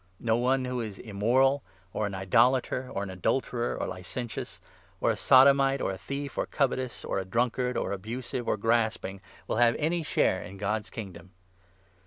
No one who is immoral, or an idolater, or an adulterer, or licentious, or a sodomite, or a thief, or covetous, or a drunkard, or abusive, or 10 grasping, will have any share in God's Kingdom.